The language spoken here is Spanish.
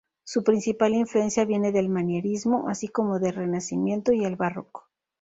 Su principal influencia viene del Manierismo, así como del Renacimiento y el Barroco.